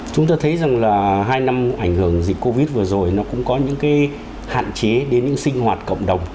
chúng ta thấy rằng là hai năm ảnh hưởng dịch covid vừa rồi nó cũng có những cái hạn chế đến những sinh hoạt cộng đồng